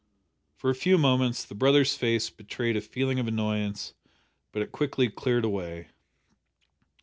For a few moments the brother's face betrayed a feeling of annoyance, but it quickly cleared away.